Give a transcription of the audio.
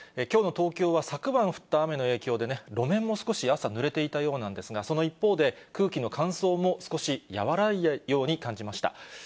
きょうの東京は、昨晩降った雨の影響でね、路面も少し朝、ぬれていたようなんですが、その一方で、空気の乾燥も、少し和らいだように感じました。